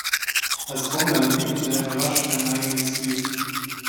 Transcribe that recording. Als Trommler entwickelte er rasch einen eigenen Stil.